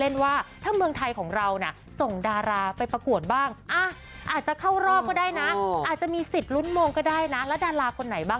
ว่าถ้าเมืองไทยของเราน่ะส่งดาราไปประกวดบ้างอาจจะเข้ารอบก็ได้นะอาจจะมีสิทธิ์ลุ้นโมงก็ได้นะแล้วดาราคนไหนบ้าง